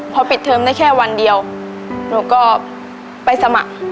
พอปิดเทอมได้แค่วันเดียวหนูก็ไปสมัคร